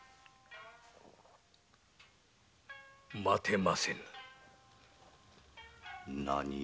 待てませぬ何？